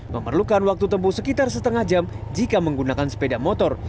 memerlukan waktu tempuh sekitar setengah jam jika menggunakan sepeda motor